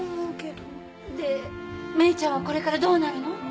でメイちゃんはこれからどうなるの？